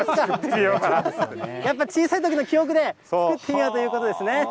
やっぱ小さいときの記憶で、作ってみようということですね。